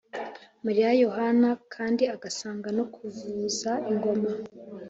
mariya yohana kandi asanga no kuvuza ingoma